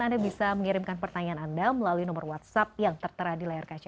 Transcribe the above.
anda bisa mengirimkan pertanyaan anda melalui nomor whatsapp yang tertera di layar kaca